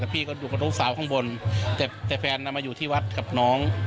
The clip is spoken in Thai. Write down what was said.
พี่ก็อยู่กับลูกสาวข้างบนแต่แฟนมาอยู่ที่วัดกับน้อง